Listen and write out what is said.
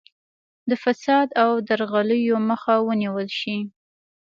د فساد او درغلیو مخه ونیول شي.